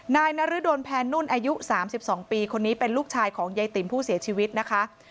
นายนรดลแพนนุ่นอายุ๓๒ปีคนนี้เป็นลูกชายของยายติ๋มผู้เสียชีวิตนะคะ